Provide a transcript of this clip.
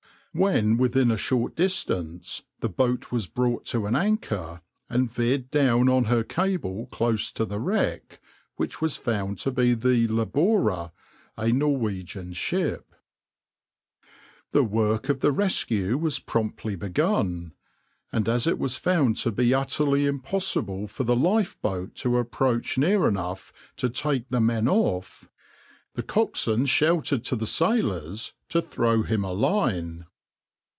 When within a short distance, the boat was brought to an anchor, and veered down on her cable close to the wreck, which was found to be the {\itshape{Labora}}, a Norwegian ship.\par The work of rescue was promptly begun, and as it was found to be utterly impossible for the lifeboat to approach near enough to take the men off, the coxswain shouted to the sailors to throw him a line.